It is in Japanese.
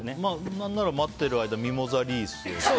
何なら、待ってる間ミモザリースを。